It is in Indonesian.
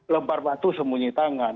lempar batu sembunyi tangan